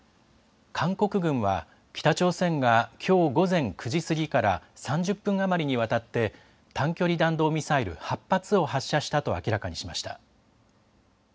韓国軍は北朝鮮がきょう午前９時過ぎから３０分余りにわたって短距離弾道ミサイル８発を発射したと明らかにしました。